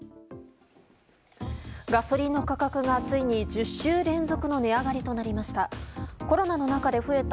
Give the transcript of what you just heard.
ガソリンの価格がついに１０週連続の値上がりとなりました。